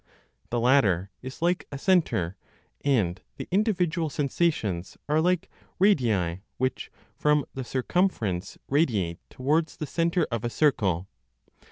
The latter is like a centre, and the individual sensations are like radii which from the circumference radiate towards the centre of a circle.